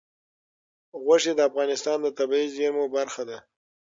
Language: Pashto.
غوښې د افغانستان د طبیعي زیرمو برخه ده.